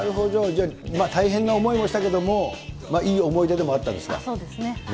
じゃあ、大変な思いもしたけれども、いい思い出でもあったんですそうですね。